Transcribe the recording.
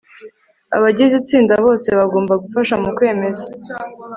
abagize itsinda bose bagomba gufasha mu kwemeza